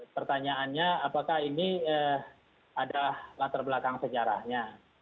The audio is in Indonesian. pertanyaannya apakah ini ada latar belakang sejarahnya